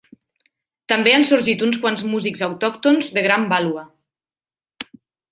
També han sorgit uns quants músics autòctons de gran vàlua.